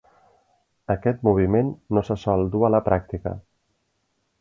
Aquest moviment no se sol dur a la pràctica.